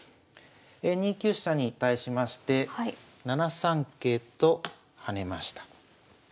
２九飛車に対しまして７三桂と跳ねました。